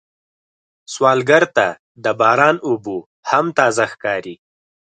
سوالګر ته د باران اوبه هم تازه ښکاري